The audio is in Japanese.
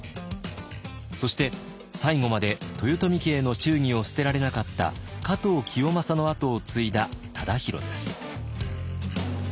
そして最後まで豊臣家への忠義を捨てられなかった加藤清正の跡を継いだ忠広です。